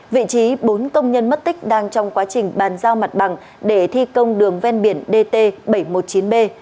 vị trí bốn công nhân mất tích đang trong quá trình bàn giao mặt bằng để thi công đường ven biển dt bảy trăm một mươi chín b